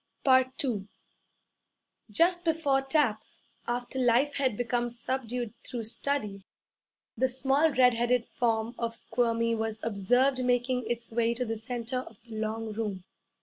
II Just before taps, after life had become subdued through study, the small red headed form of Squirmy was observed making its way to the centre of the long room.